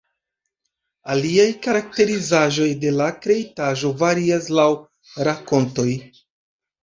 Aliaj karakterizaĵoj de la kreitaĵo varias laŭ rakontoj.